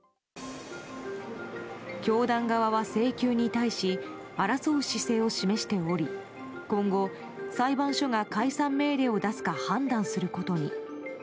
教団側は請求に対し争う姿勢を示しており今後、裁判所が解散命令を出すか判断することに。